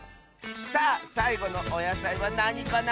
さあさいごのおやさいはなにかな？